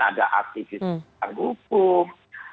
ada aktivis bidang hukum